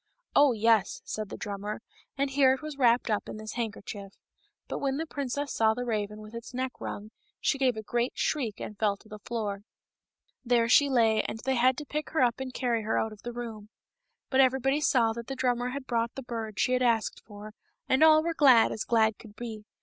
*^ Oh, yes," said the drummer, and here it was wrapped up in this handkerchief. But when the princess saw the raven with its neck wrung, she gave a great shriek and fell to the floor. There she lay and they had to pick her up and carry her out of the room. But everybody saw that the drummer had brought the bird she had asked for, and all were as glad as glad could be.